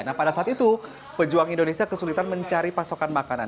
nah pada saat itu pejuang indonesia kesulitan mencari pasokan makanan